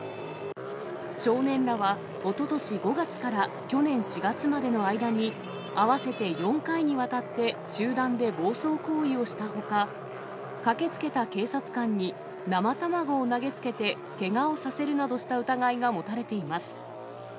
少年らはおととし５月から去年４月までの間に、合わせて４回にわたって集団で暴走行為をしたほか、駆けつけた警察官に生卵を投げつけてけがをさせるなどした疑いが持たれています。